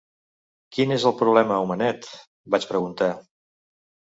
"Quin és el problema, homenet?", vaig preguntar.